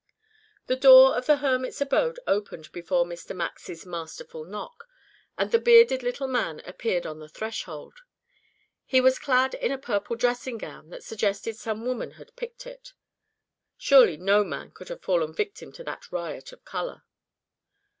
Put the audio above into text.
The door of the hermit's abode opened before Mr. Max's masterful knock, and the bearded little man appeared on the threshold. He was clad in a purple dressing gown that suggested some woman had picked it. Surely no man could have fallen victim to that riot of color.